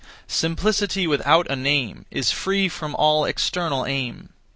Simplicity without a name Is free from all external aim.